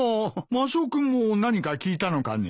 マスオ君も何か聞いたのかね？